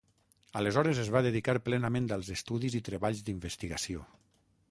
Aleshores es va dedicar plenament als estudis i treballs d'investigació.